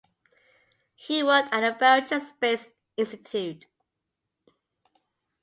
He worked at the Belgian Space Institute.